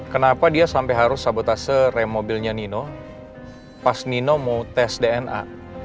kenapa dia sampai harus sabotase rem mobilnya nino pas nino mau tes dna